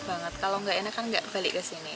kalau enak kan gak balik kesini